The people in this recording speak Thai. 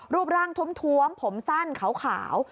รูปร่างท้วมผมสั้นขาว